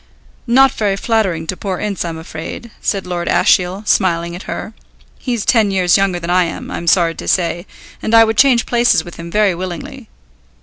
"Not very flattering to poor Ince I'm afraid," said Lord Ashiel, smiling at her. "He's ten years younger than I am, I'm sorry to say, and I would change places with him very willingly.